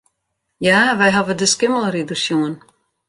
Ja, wy hawwe de Skimmelrider sjoen.